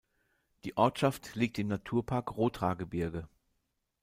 Die Ortschaft liegt im Naturpark Rothaargebirge.